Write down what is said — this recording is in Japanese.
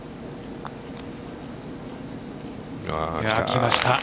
きました。